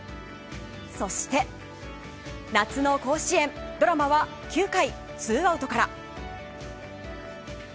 そして、夏の甲子園ドラマは９回ツーアウトから。